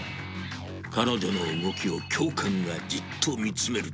彼女の動きを教官がじっと見つめる。